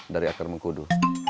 dari akar mengkudu